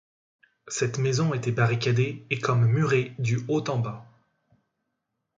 Cette maison était barricadée et comme murée du haut en bas.